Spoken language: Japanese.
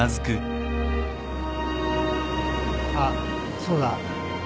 あっそうだ。